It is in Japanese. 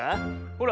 ほら！